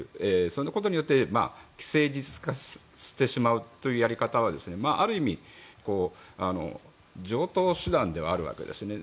そのことによって既成事実化してしまうやり方はある意味、常套手段ではあるわけですね。